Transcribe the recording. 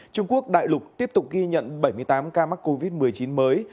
trung quốc đại lục tiếp tục ghi nhận bảy mươi tám ca mắc covid một mươi chín mới